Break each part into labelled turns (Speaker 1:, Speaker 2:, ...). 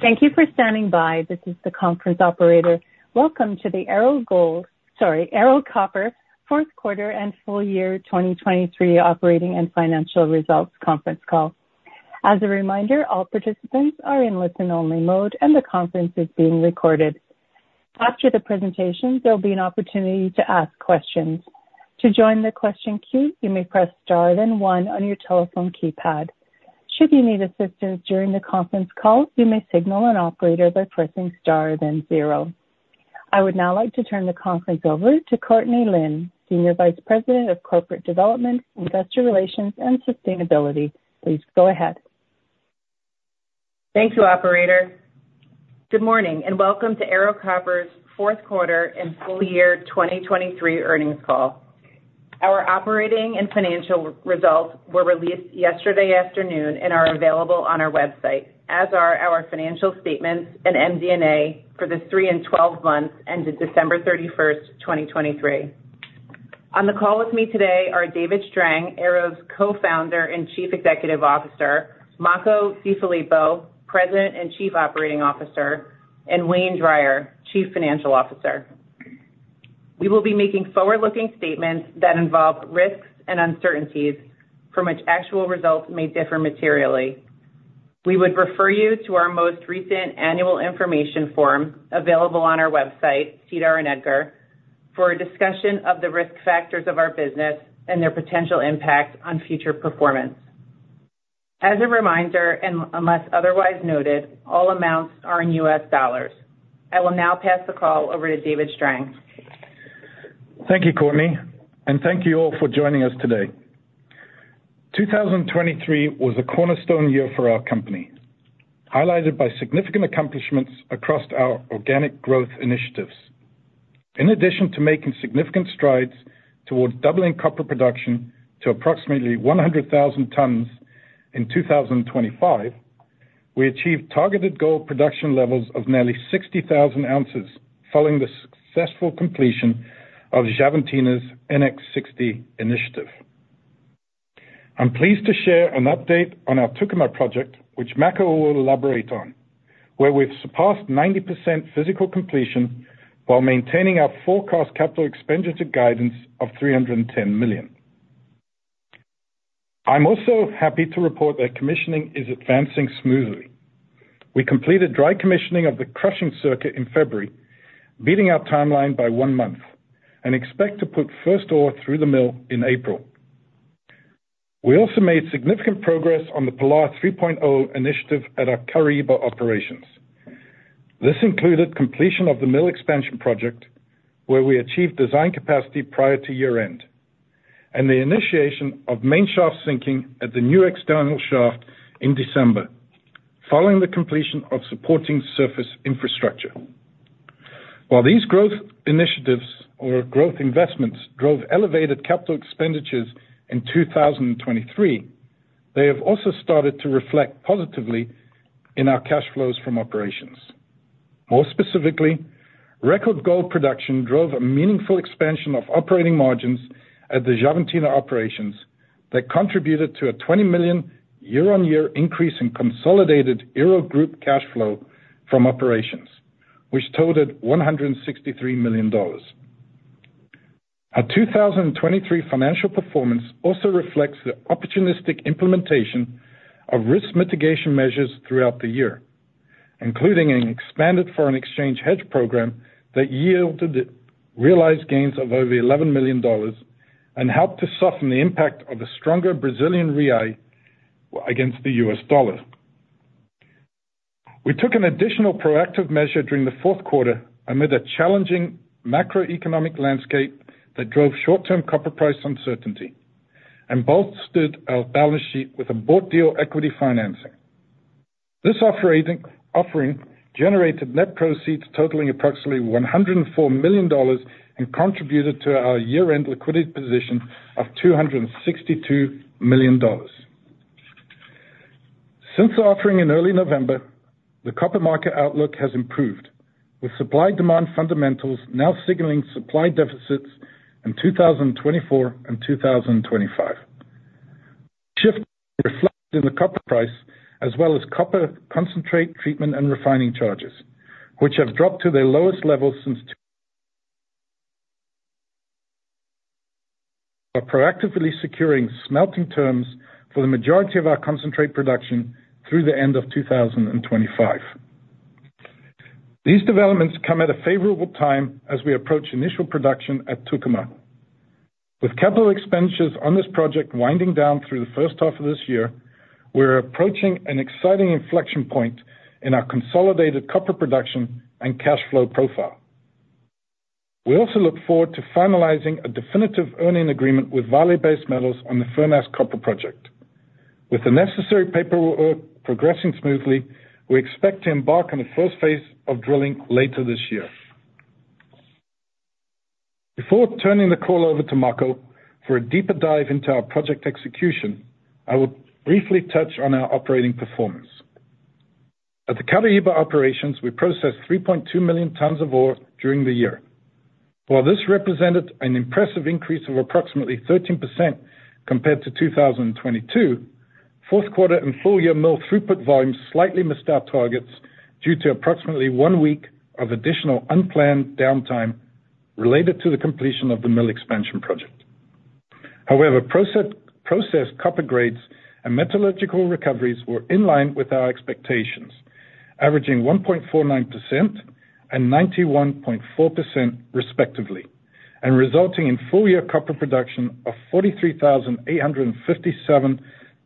Speaker 1: Thank you for standing by. This is the conference operator. Welcome to the Ero Gold - sorry, Ero Copper - Q4 and full year 2023 operating and financial results conference call. As a reminder, all participants are in listen-only mode, and the conference is being recorded. After the presentations, there'll be an opportunity to ask questions. To join the question queue, you may press star then 1 on your telephone keypad. Should you need assistance during the conference call, you may signal an operator by pressing star then 0. I would now like to turn the conference over to Courtney Lynn, Senior Vice President of Corporate Development, Investor Relations, and Sustainability. Please go ahead.
Speaker 2: Thank you, operator. Good morning and welcome to Ero Copper's fourth quarter and full year 2023 earnings call. Our operating and financial results were released yesterday afternoon and are available on our website, as are our financial statements and MD&A for the 3 and 12 months ending December 31st, 2023. On the call with me today are David Strang, Ero's Co-founder and Chief Executive Officer, Makko DeFilippo, President and Chief Operating Officer, and Wayne Drier, Chief Financial Officer. We will be making forward-looking statements that involve risks and uncertainties from which actual results may differ materially. We would refer you to our most recent annual information form available on our website, SEDAR+ and EDGAR, for a discussion of the risk factors of our business and their potential impact on future performance. As a reminder, and unless otherwise noted, all amounts are in U.S. dollars. I will now pass the call over to David Strang.
Speaker 3: Thank you, Courtney, and thank you all for joining us today. 2023 was a cornerstone year for our company, highlighted by significant accomplishments across our organic growth initiatives. In addition to making significant strides toward doubling copper production to approximately 100,000 tons in 2025, we achieved targeted gold production levels of nearly 60,000 ounces following the successful completion of Xavantina's NX60 initiative. I'm pleased to share an update on our Tucumã project, which Makko will elaborate on, where we've surpassed 90% physical completion while maintaining our forecast capital expenditure guidance of $310 million. I'm also happy to report that commissioning is advancing smoothly. We completed dry commissioning of the crushing circuit in February, beating our timeline by one month, and expect to put first ore through the mill in April. We also made significant progress on the Pilar 3.0 initiative at our Caraíba operations. This included completion of the mill expansion project, where we achieved design capacity prior to year-end, and the initiation of main shaft sinking at the new external shaft in December following the completion of supporting surface infrastructure. While these growth initiatives or growth investments drove elevated capital expenditures in 2023, they have also started to reflect positively in our cash flows from operations. More specifically, record gold production drove a meaningful expansion of operating margins at the Xavantina Operations that contributed to a $20 million year-on-year increase in consolidated Ero Group cash flow from operations, which totaled $163 million. Our 2023 financial performance also reflects the opportunistic implementation of risk mitigation measures throughout the year, including an expanded foreign exchange hedge program that yielded realized gains of over $11 million and helped to soften the impact of a stronger Brazilian real against the U.S. dollar. We took an additional proactive measure during the Q4 amid a challenging macroeconomic landscape that drove short-term copper price uncertainty and bolstered our balance sheet with a bought deal equity financing. This offering generated net proceeds totaling approximately $104 million and contributed to our year-end liquidity position of $262 million. Since the offering in early November, the copper market outlook has improved, with supply-demand fundamentals now signaling supply deficits in 2024 and 2025. This shift reflects in the copper price as well as copper concentrate treatment and refining charges, which have dropped to their lowest levels since we are proactively securing smelting terms for the majority of our concentrate production through the end of 2025. These developments come at a favorable time as we approach initial production at Tucumã. With capital expenditures on this project winding down through the first half of this year, we're approaching an exciting inflection point in our consolidated copper production and cash flow profile. We also look forward to finalizing a definitive earn-in agreement with Vale Base Metals on the Furnas Copper project. With the necessary paperwork progressing smoothly, we expect to embark on the first phase of drilling later this year. Before turning the call over to Makko for a deeper dive into our project execution, I will briefly touch on our operating performance. At the Caraíba Operations, we processed 3.2 million tons of ore during the year. While this represented an impressive increase of approximately 13% compared to 2022, Q4 and full year mill throughput volumes slightly missed our targets due to approximately one week of additional unplanned downtime related to the completion of the mill expansion project. However, processed copper grades and metallurgical recoveries were in line with our expectations, averaging 1.49% and 91.4% respectively, and resulting in full year copper production of 43,857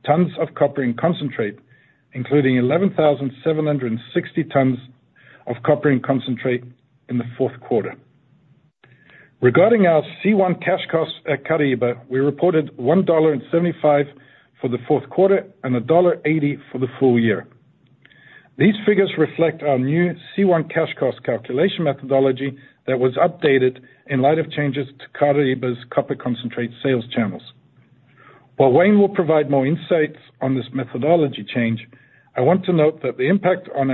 Speaker 3: tons of copper in concentrate, including 11,760 tons of copper in concentrate in the Q4. Regarding our C1 cash cost at Caraíba, we reported $1.75 for the Q4 and $1.80 for the full year. These figures reflect our new C1 cash cost calculation methodology that was updated in light of changes to Caraíba's copper concentrate sales channels. While Wayne will provide more insights on this methodology change, I want to note that the impact on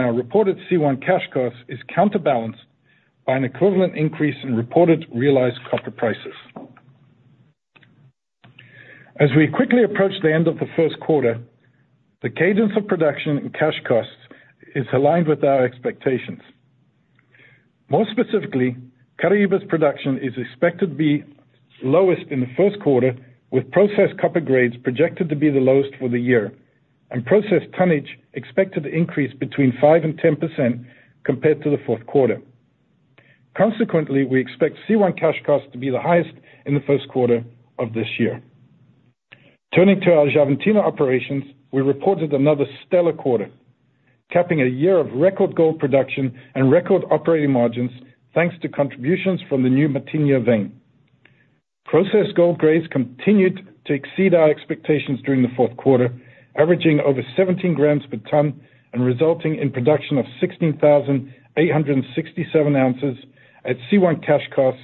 Speaker 3: our reported C1 cash cost is counterbalanced by an equivalent increase in reported realized copper prices. As we quickly approach the end of the Q1, the cadence of production and cash costs is aligned with our expectations. More specifically, Caraíba's production is expected to be lowest in the Q1, with processed copper grades projected to be the lowest for the year and processed tonnage expected to increase between 5% and 10% compared to the Q4. Consequently, we expect C1 cash costs to be the highest in the Q1 of this year. Turning to our Xavantina Operations, we reported another stellar quarter, capping a year of record gold production and record operating margins thanks to contributions from the new Matinha vein. Processed gold grades continued to exceed our expectations during the Q4, averaging over 17 grams per ton and resulting in production of 16,867 ounces at C1 cash costs,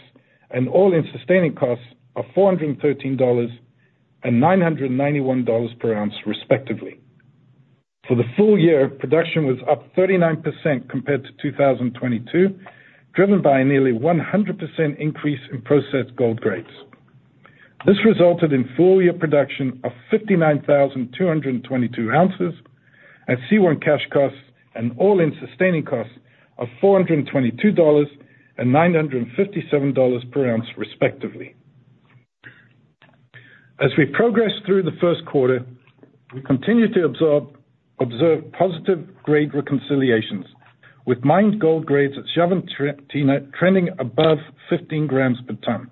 Speaker 3: and all-in sustaining costs of $413 and $991 per ounce respectively. For the full year, production was up 39% compared to 2022, driven by a nearly 100% increase in processed gold grades. This resulted in full-year production of 59,222 ounces at C1 cash costs and all-in sustaining costs of $422 and $957 per ounce respectively. As we progressed through the Q1, we continued to observe positive grade reconciliations, with mined gold grades at Xavantina trending above 15 grams per ton.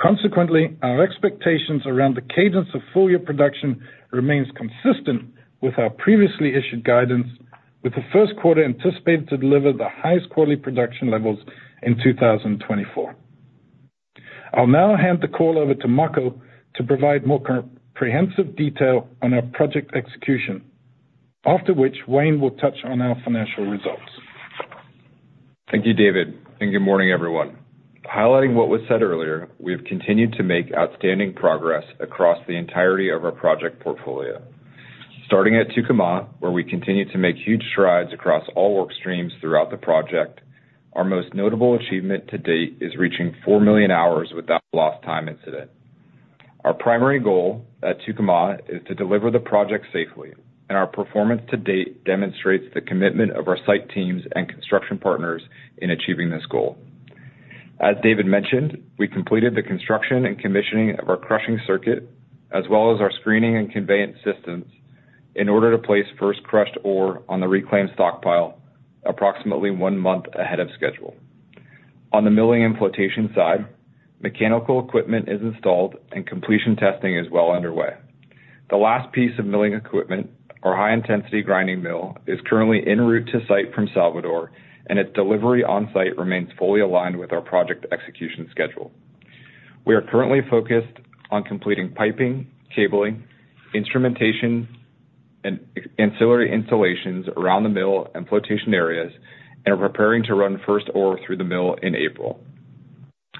Speaker 3: Consequently, our expectations around the cadence of full-year production remain consistent with our previously issued guidance, with the Q1 anticipated to deliver the highest quarterly production levels in 2024. I'll now hand the call over to Makko to provide more comprehensive detail on our project execution, after which Wayne will touch on our financial results.
Speaker 4: Thank you, David, and good morning, everyone. Highlighting what was said earlier, we have continued to make outstanding progress across the entirety of our project portfolio. Starting at Tucumã, where we continue to make huge strides across all work streams throughout the project, our most notable achievement to date is reaching 4 million hours without lost time incident. Our primary goal at Tucumã is to deliver the project safely, and our performance to date demonstrates the commitment of our site teams and construction partners in achieving this goal. As David mentioned, we completed the construction and commissioning of our crushing circuit as well as our screening and conveyance systems in order to place first crushed ore on the reclaimed stockpile approximately one month ahead of schedule. On the milling and flotation side, mechanical equipment is installed, and completion testing is well underway. The last piece of milling equipment, our high-intensity grinding mill, is currently en route to site from Salvador, and its delivery on site remains fully aligned with our project execution schedule. We are currently focused on completing piping, cabling, instrumentation, and ancillary installations around the mill and flotation areas, and are preparing to run first ore through the mill in April.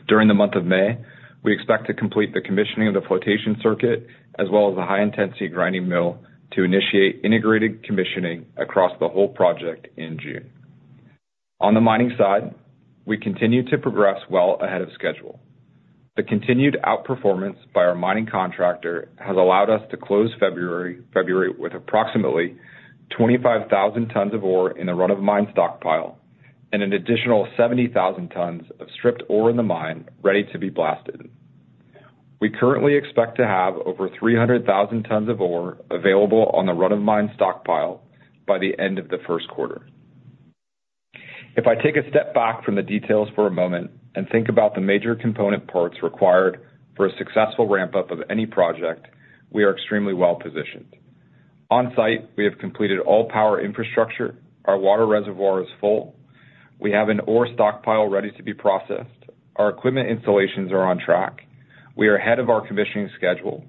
Speaker 4: During the month of May, we expect to complete the commissioning of the flotation circuit as well as the high-intensity grinding mill to initiate integrated commissioning across the whole project in June. On the mining side, we continue to progress well ahead of schedule. The continued outperformance by our mining contractor has allowed us to close February with approximately 25,000 tons of ore in the run-of-mine stockpile and an additional 70,000 tons of stripped ore in the mine ready to be blasted. We currently expect to have over 300,000 tons of ore available on the run-of-mine stockpile by the end of the Q1. If I take a step back from the details for a moment and think about the major component parts required for a successful ramp-up of any project, we are extremely well positioned. On site, we have completed all power infrastructure. Our water reservoir is full. We have an ore stockpile ready to be processed. Our equipment installations are on track. We are ahead of our commissioning schedule.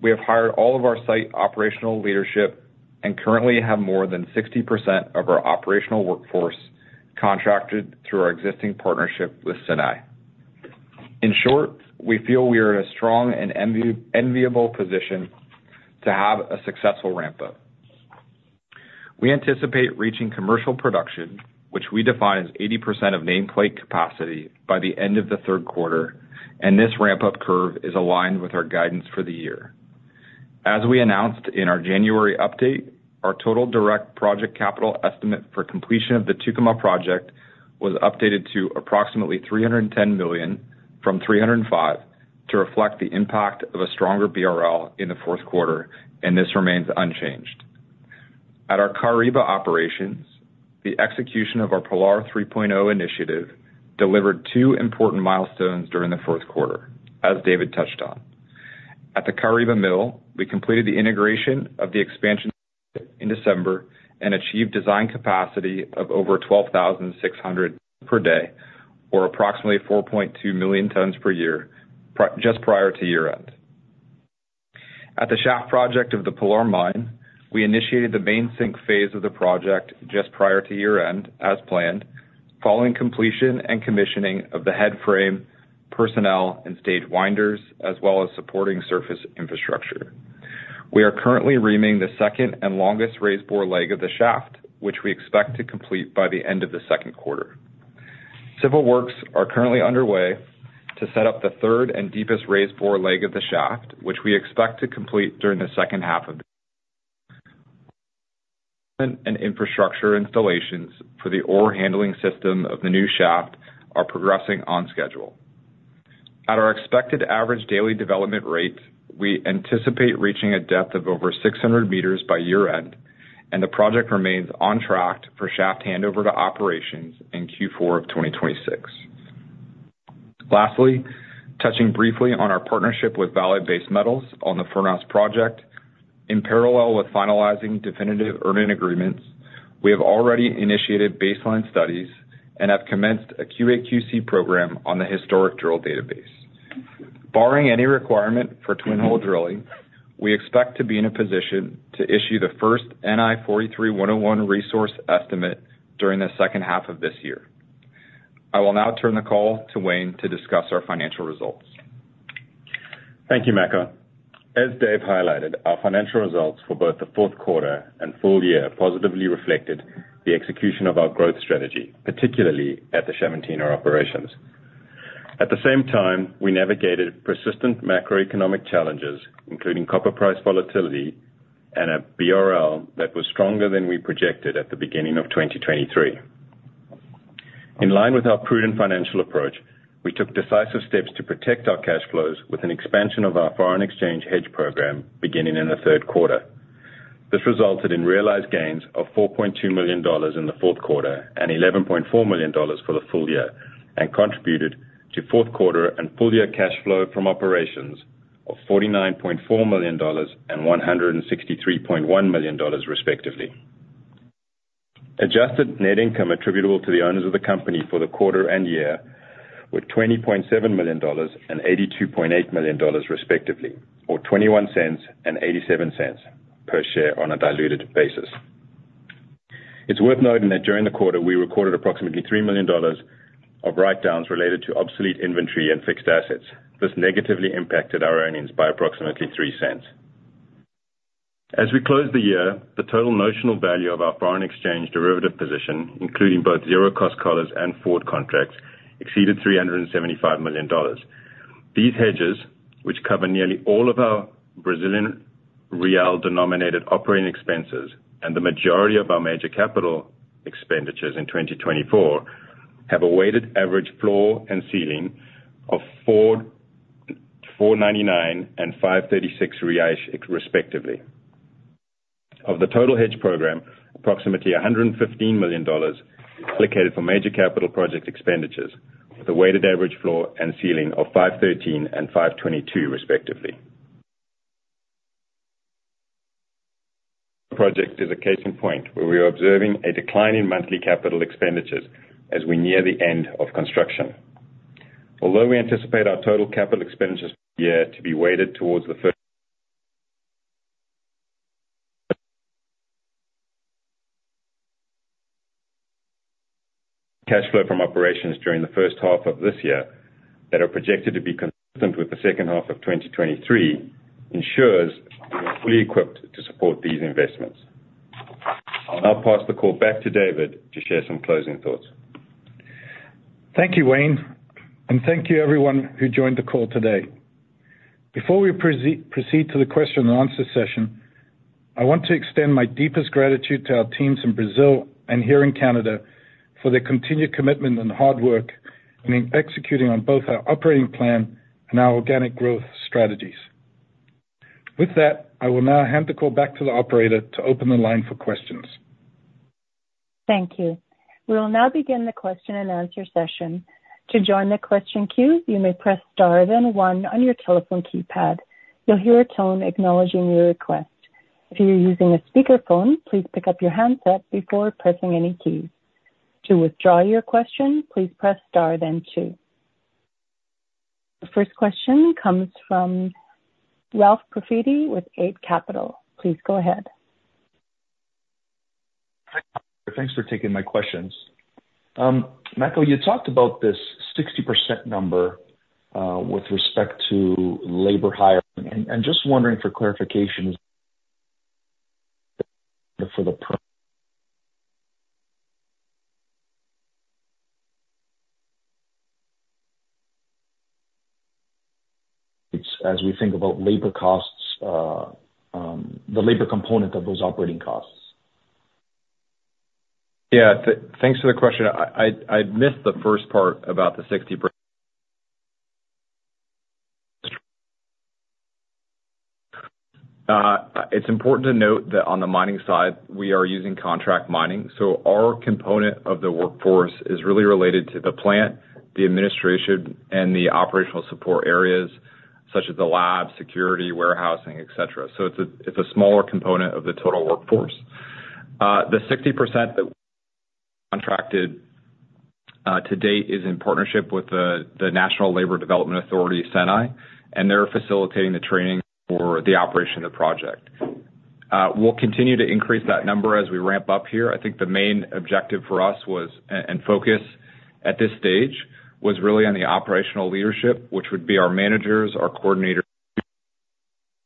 Speaker 4: We have hired all of our site operational leadership and currently have more than 60% of our operational workforce contracted through our existing partnership with SENAI. In short, we feel we are in a strong and enviable position to have a successful ramp-up. We anticipate reaching commercial production, which we define as 80% of nameplate capacity, by the end of the Q3, and this ramp-up curve is aligned with our guidance for the year. As we announced in our January update, our total direct project capital estimate for completion of the Tucumã project was updated to approximately $310 million from $305 million to reflect the impact of a stronger BRL in the Q4, and this remains unchanged. At our Caraíba operations, the execution of our Pilar 3.0 initiative delivered two important milestones during the Q4, as David touched on. At the Caraíba mill, we completed the integration of the expansion in December and achieved design capacity of over 12,600 per day, or approximately 4.2 million tons per year, just prior to year-end. At the shaft project of the Pilar mine, we initiated the main sink phase of the project just prior to year-end as planned, following completion and commissioning of the head frame, personnel, and stage winders, as well as supporting surface infrastructure. We are currently reaming the second and longest raise bore leg of the shaft, which we expect to complete by the end of the Q2. Civil works are currently underway to set up the third and deepest raise bore leg of the shaft, which we expect to complete during the second half of the year. Infrastructure installations for the ore handling system of the new shaft are progressing on schedule. At our expected average daily development rate, we anticipate reaching a depth of over 600 meters by year-end, and the project remains on track for shaft handover to operations in Q4 of 2026. Lastly, touching briefly on our partnership with Vale Base Metals on the Furnas project, in parallel with finalizing definitive earn-in agreements, we have already initiated baseline studies and have commenced a QAQC program on the historic drill database. Barring any requirement for twin-hole drilling, we expect to be in a position to issue the first NI 43-101 resource estimate during the second half of this year. I will now turn the call to Wayne to discuss our financial results.
Speaker 5: Thank you, Makko. As Dave highlighted, our financial results for both the Q4 and full year positively reflected the execution of our growth strategy, particularly at the Xavantina Operations. At the same time, we navigated persistent macroeconomic challenges, including copper price volatility and a BRL that was stronger than we projected at the beginning of 2023. In line with our prudent financial approach, we took decisive steps to protect our cash flows with an expansion of our foreign exchange hedge program beginning in the Q3. This resulted in realized gains of $4.2 million in the Q4 and $11.4 million for the full year and contributed to Q4 and full year cash flow from operations of $49.4 million and $163.1 million respectively. Adjusted net income attributable to the owners of the company for the quarter and year was $20.7 million and $82.8 million respectively, or $0.21 and $0.87 per share on a diluted basis. It's worth noting that during the quarter, we recorded approximately $3 million of write-downs related to obsolete inventory and fixed assets. This negatively impacted our earnings by approximately $0.03. As we close the year, the total notional value of our foreign exchange derivative position, including both zero-cost collars and forward contracts, exceeded $375 million. These hedges, which cover nearly all of our Brazilian real-denominated operating expenses and the majority of our major capital expenditures in 2024, have a weighted average floor and ceiling of 499 and 536 reais respectively. Of the total hedge program, approximately $115 million is allocated for major capital project expenditures, with a weighted average floor and ceiling of 513 and 522 respectively. The project is a case in point where we are observing a decline in monthly capital expenditures as we near the end of construction. Although we anticipate our total capital expenditures per year to be weighted toward the first cash flow from operations during the first half of this year that are projected to be consistent with the second half of 2023, ensures we are fully equipped to support these investments. I'll now pass the call back to David to share some closing thoughts.
Speaker 3: Thank you, Wayne, and thank you, everyone who joined the call today. Before we proceed to the question and answer session, I want to extend my deepest gratitude to our teams in Brazil and here in Canada for their continued commitment and hard work in executing on both our operating plan and our organic growth strategies. With that, I will now hand the call back to the operator to open the line for questions.
Speaker 1: Thank you. We will now begin the question and answer session. To join the question queue, you may press star then one on your telephone keypad. You'll hear a tone acknowledging your request. If you're using a speakerphone, please pick up your handset before pressing any key. To withdraw your question, please press star then two. The first question comes from Ralph Profiti with Eight Capital. Please go ahead.
Speaker 6: Thanks for taking my questions. Makko, you talked about this 60% number with respect to labor hiring, and just wondering for clarification for the it's as we think about labor costs, the labor component of those operating costs.
Speaker 4: Yeah. Thanks for the question. I missed the first part about the 60%. It's important to note that on the mining side, we are using contract mining, so our component of the workforce is really related to the plant, the administration, and the operational support areas such as the lab, security, warehousing, etc. So it's a smaller component of the total workforce. The 60% that we contracted to date is in partnership with the National Labor Development Authority, SENAI, and they're facilitating the training for the operation of the project. We'll continue to increase that number as we ramp up here. I think the main objective for us and focus at this stage was really on the operational leadership, which would be our managers, our coordinators,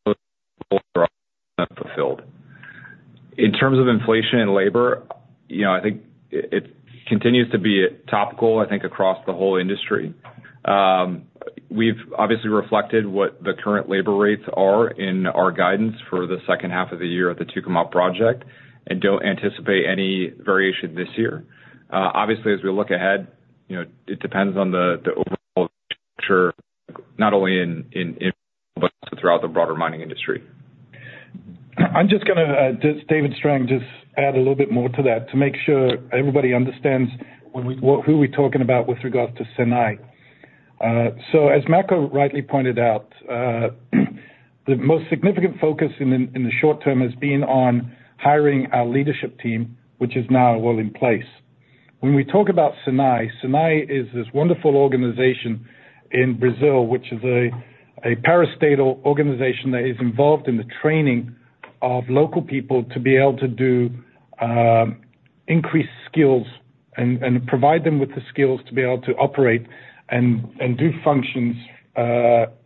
Speaker 4: our fulfilled. In terms of inflation and labor, I think it continues to be topical, I think, across the whole industry. We've obviously reflected what the current labor rates are in our guidance for the second half of the year at the Tucumã project and don't anticipate any variation this year. Obviously, as we look ahead, it depends on the overall picture, not only in but throughout the broader mining industry.
Speaker 3: I'm just going to does David Strang just add a little bit more to that to make sure everybody understands who we're talking about with regards to SENAI. So as Makko rightly pointed out, the most significant focus in the short term has been on hiring our leadership team, which is now well in place. When we talk about SENAI, SENAI is this wonderful organization in Brazil, which is a parastatal organization that is involved in the training of local people to be able to do increased skills and provide them with the skills to be able to operate and do functions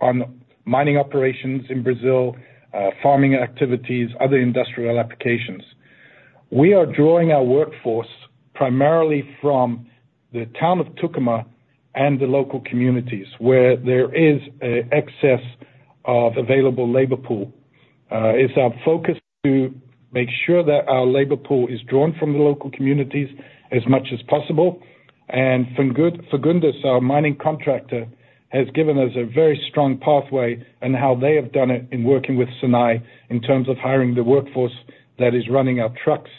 Speaker 3: on mining operations in Brazil, farming activities, other industrial applications. We are drawing our workforce primarily from the town of Tucumã and the local communities where there is an excess of available labor pool. It's our focus to make sure that our labor pool is drawn from the local communities as much as possible. Fagundes, our mining contractor, has given us a very strong pathway in how they have done it in working with SENAI in terms of hiring the workforce that is running our trucks,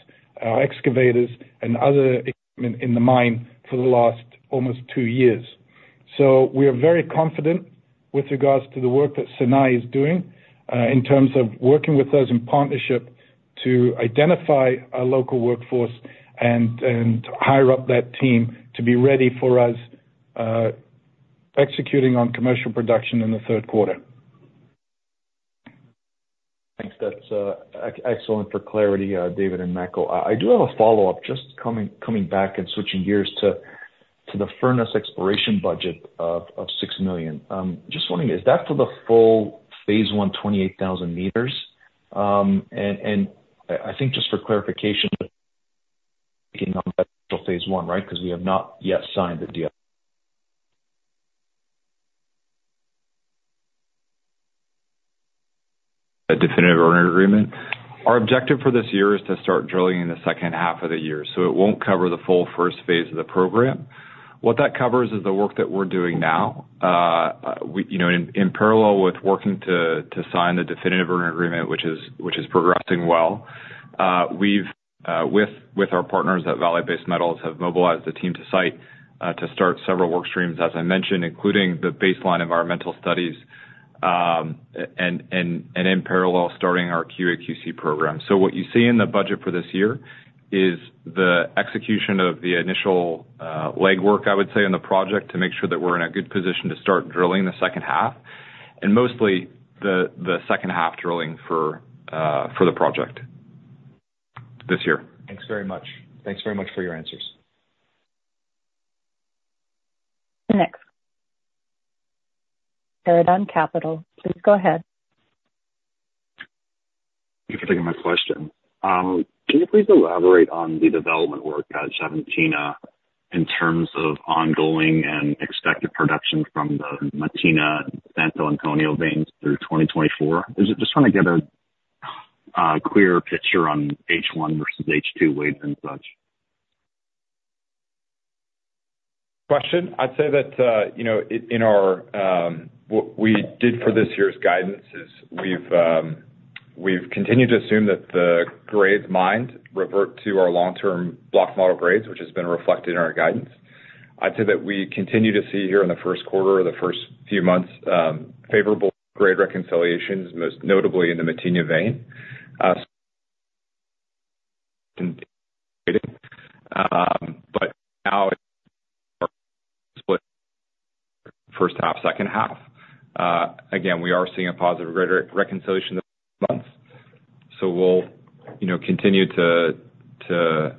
Speaker 3: our excavators, and other equipment in the mine for the last almost two years. We are very confident with regards to the work that SENAI is doing in terms of working with us in partnership to identify our local workforce and hire up that team to be ready for us executing on commercial production in the Q3.
Speaker 6: Thanks. That's excellent for clarity, David and Makko. I do have a follow-up just coming back and switching gears to the Furnas exploration budget of $6 million. Just wondering, is that for the full phase one, 28,000 meters? And I think just for clarification, speaking on phase one, right, because we have not yet signed the definitive earn-in agreement.
Speaker 4: Our objective for this year is to start drilling in the second half of the year, so it won't cover the full first phase of the program. What that covers is the work that we're doing now. In parallel with working to sign the definitive earn-in agreement, which is progressing well, we've, with our partners at Vale Base Metals, have mobilized the team to site to start several work streams, as I mentioned, including the baseline environmental studies and in parallel starting our QAQC program. So what you see in the budget for this year is the execution of the initial legwork, I would say, on the project to make sure that we're in a good position to start drilling the second half and mostly the second half drilling for the project this year.
Speaker 6: Thanks very much. Thanks very much for your answers.
Speaker 1: Next. Paradigm Capital. Please go ahead.
Speaker 7: Thank you for taking my question. Can you please elaborate on the development work at Xavantina in terms of ongoing and expected production from the Matinha-Santo Antônio veins through 2024? I just want to get a clearer picture on H1 versus H2 weights and such.
Speaker 4: Question. I'd say that in our what we did for this year's guidance is we've continued to assume that the grades mined revert to our long-term block model grades, which has been reflected in our guidance. I'd say that we continue to see here in the Q1 or the first few months favorable grade reconciliations, most notably in the Matinha vein. But now it's split first half, second half. Again, we are seeing a positive grade reconciliation this month, so we'll continue to,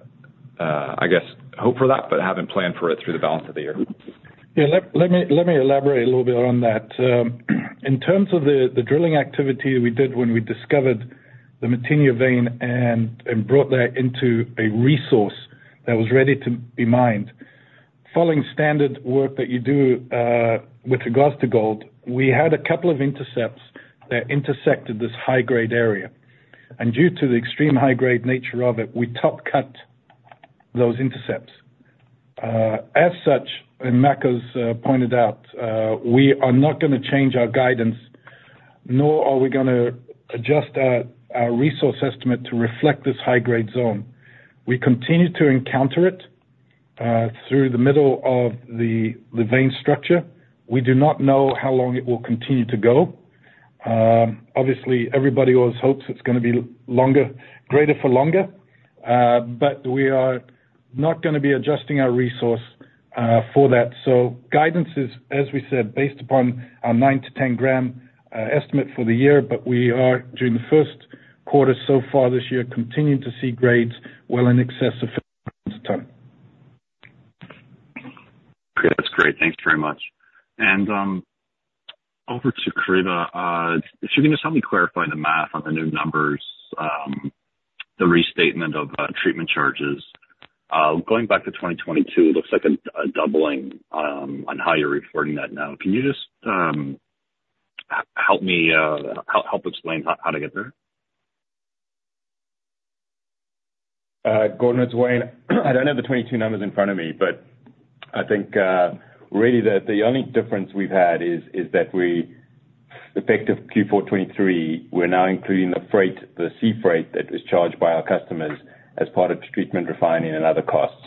Speaker 4: I guess, hope for that but haven't planned for it through the balance of the year.
Speaker 3: Yeah. Let me elaborate a little bit on that. In terms of the drilling activity we did when we discovered the Matinha vein and brought that into a resource that was ready to be mined, following standard work that you do with regards to gold, we had a couple of intercepts that intersected this high-grade area. Due to the extreme high-grade nature of it, we top-cut those intercepts. As such, and Makko's pointed out, we are not going to change our guidance, nor are we going to adjust our resource estimate to reflect this high-grade zone. We continue to encounter it through the middle of the vein structure. We do not know how long it will continue to go. Obviously, everybody always hopes it's going to be greater for longer, but we are not going to be adjusting our resource for that. So guidance is, as we said, based upon our 9-10-gram estimate for the year, but we are, during the Q1 so far this year, continuing to see grades, well, in excess of 500 tons.
Speaker 7: Okay. That's great. Thanks very much. And over to Caraíba, if you can just help me clarify the math on the new numbers, the restatement of treatment charges. Going back to 2022, it looks like a doubling on how you're reporting that now. Can you just help me explain how to get there?
Speaker 3: Go ahead and answer, Wayne.
Speaker 5: I don't have the 2022 numbers in front of me, but I think really that the only difference we've had is that, effective Q4 2023, we're now including the sea freight that is charged by our customers as part of treatment, refining, and other costs.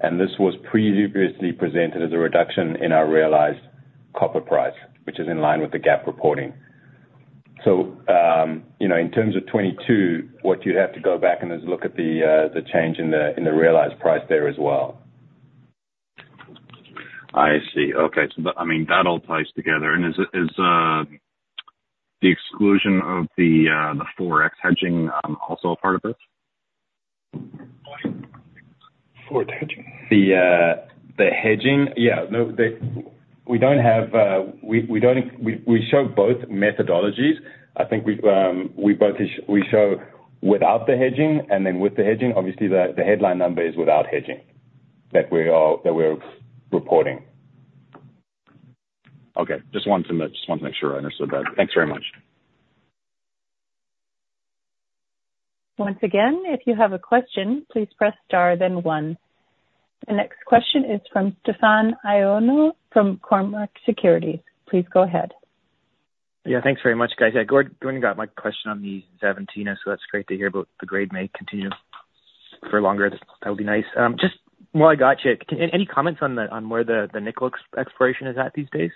Speaker 5: And this was previously presented as a reduction in our realized copper price, which is in line with the GAAP reporting. So in terms of 2022, what you'd have to go back and is look at the change in the realized price there as well.
Speaker 7: I see. Okay. So I mean, that all ties together. And is the exclusion of the FX hedging also a part of this?
Speaker 3: FX hedging?
Speaker 4: The hedging, yeah. No, we don't have. We show both methodologies. I think we show without the hedging and then with the hedging. Obviously, the headline number is without hedging that we're reporting.
Speaker 7: Okay. Just wanted to make sure I understood that. Thanks very much.
Speaker 1: Once again, if you have a question, please press star then one. The next question is from Stefan Ioannou from Cormark Securities. Please go ahead.
Speaker 8: Yeah. Thanks very much, guys. Yeah. Gordon got my question on the Xavantina, so that's great to hear about the grade may continue for longer. That would be nice. Just while I got you, any comments on where the nickel exploration is at these days?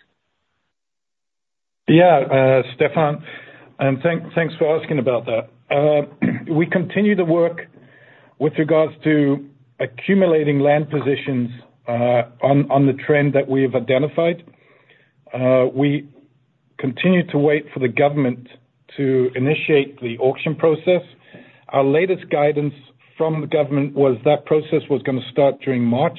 Speaker 3: Yeah, Stefan. Thanks for asking about that. We continue the work with regards to accumulating land positions on the trend that we have identified. We continue to wait for the government to initiate the auction process. Our latest guidance from the government was that process was going to start during March,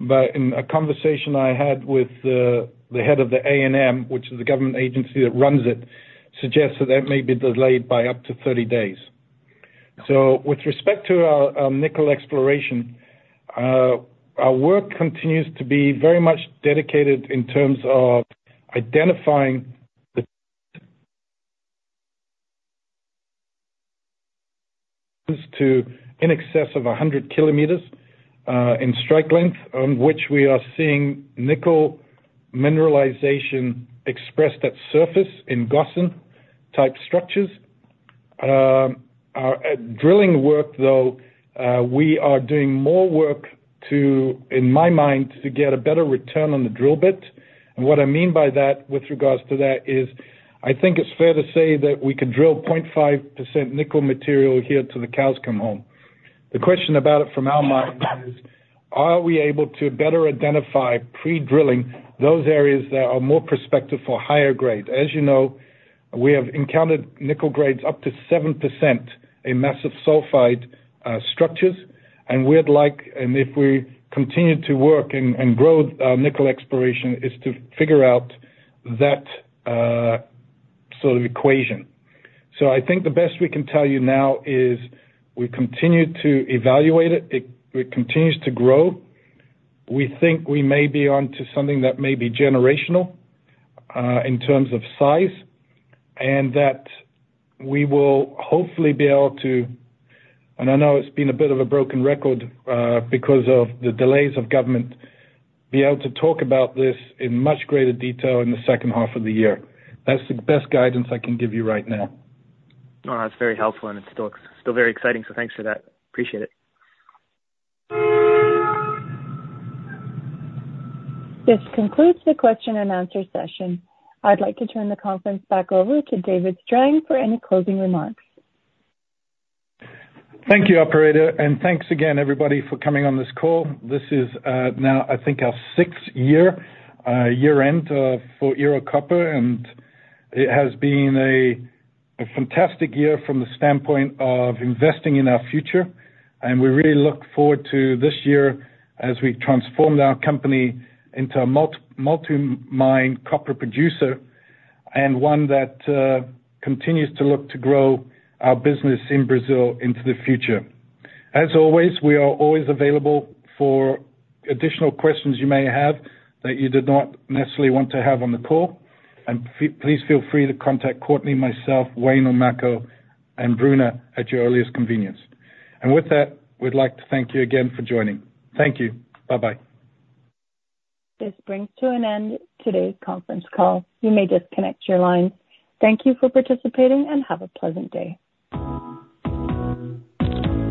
Speaker 3: but in a conversation I had with the head of the ANM, which is the government agency that runs it, suggests that that may be delayed by up to 30 days. So with respect to our nickel exploration, our work continues to be very much dedicated in terms of identifying the in excess of 100 km in strike length, on which we are seeing nickel mineralization expressed at surface in gossan-type structures. Drilling work, though, we are doing more work to, in my mind, to get a better return on the drill bit. What I mean by that with regards to that is I think it's fair to say that we could drill 0.5% nickel material here till the cows come home. The question about it from our mind is, are we able to better identify, pre-drilling, those areas that are more prospective for higher grade? As you know, we have encountered nickel grades up to 7% in massive sulfide structures, and we'd like and if we continue to work and grow nickel exploration is to figure out that sort of equation. I think the best we can tell you now is we continue to evaluate it. It continues to grow. We think we may be onto something that may be generational in terms of size and that we will hopefully be able to and I know it's been a bit of a broken record because of the delays of government, be able to talk about this in much greater detail in the second half of the year. That's the best guidance I can give you right now.
Speaker 8: Oh, that's very helpful, and it's still very exciting. So thanks for that. Appreciate it.
Speaker 1: This concludes the question and answer session. I'd like to turn the conference back over to David Strang for any closing remarks.
Speaker 3: Thank you, operator, and thanks again, everybody, for coming on this call. This is now, I think, our sixth year-end for Ero Copper, and it has been a fantastic year from the standpoint of investing in our future. We really look forward to this year as we transformed our company into a multi-mine copper producer and one that continues to look to grow our business in Brazil into the future. As always, we are always available for additional questions you may have that you did not necessarily want to have on the call. Please feel free to contact Courtney, myself, Wayne, and Makko, and Bruna at your earliest convenience. With that, we'd like to thank you again for joining. Thank you. Bye-bye.
Speaker 1: This brings to an end today's conference call. You may disconnect your lines. Thank you for participating, and have a pleasant day.